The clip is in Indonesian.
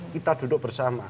kita duduk bersama